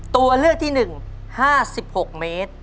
ตัวเลือกที่หนึ่ง๕๖เมตร